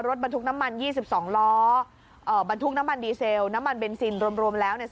รถบรรทุกน้ำมัน๒๒ล้อบรรทุกน้ำมันดีเซลน้ำมันเบนซินรวมแล้วเนี่ย